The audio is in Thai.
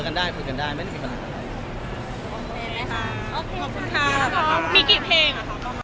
ไม่ได้คุยกันได้ไม่ได้คุยกันได้ขอบคุณค่ะขอบคุณค่ะมีกี่เพลง